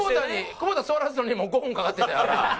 久保田座らすのにも５分かかっててんであれ。